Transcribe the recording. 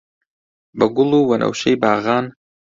بە گوڵ و وەنەوشەی باغان